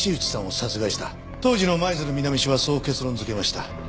当時の舞鶴南署はそう結論づけました。